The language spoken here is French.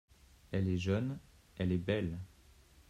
Elle est jeune, elle est belle.